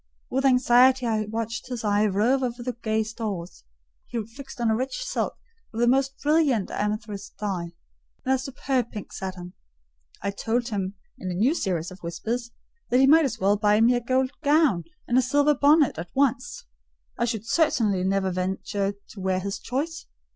With anxiety I watched his eye rove over the gay stores: he fixed on a rich silk of the most brilliant amethyst dye, and a superb pink satin. I told him in a new series of whispers, that he might as well buy me a gold gown and a silver bonnet at once: I should certainly never venture to wear his choice.